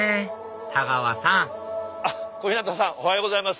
太川さん小日向さんおはようございます。